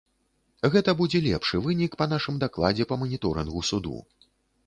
Гэта будзе лепшы вынік па нашым дакладзе па маніторынгу суду.